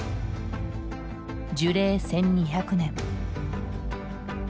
樹齢１，２００年。